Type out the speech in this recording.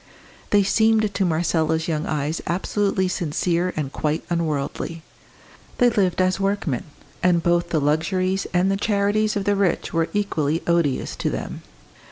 They seemed to Marcella's young eyes absolutely sincere and quite unworldly. They lived as workmen; and both the luxuries and the charities of the rich were equally odious to them.